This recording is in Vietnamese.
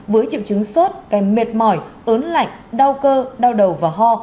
với triệu chứng sốt kèm mệt mỏi ớn lạnh đau cơ đau đầu và ho